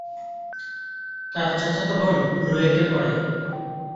তার চাচাতো বোন রুয়েটে পড়ে।